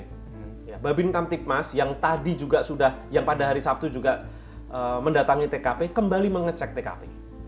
selanjutnya tanggal empat desember hari senin babin kamtipmas yang pada hari sabtu juga mendatangi tkp kembali mengecek tkp